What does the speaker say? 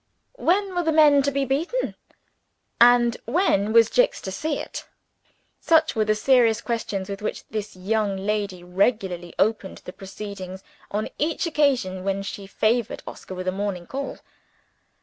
When were the men to be beaten? and when was Jicks to see it? Such were the serious questions with which this young lady regularly opened the proceedings, on each occasion when she favored Oscar with a morning call.